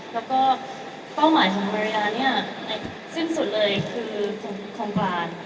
แล้วก็เป้าหมายของมาริยาเนี่ยสิ้นสุดเลยคือโครงการ